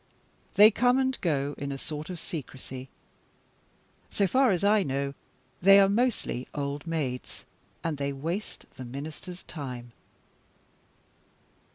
They come and go in a sort of secrecy. So far as I know, they are mostly old maids, and they waste the Minister's time.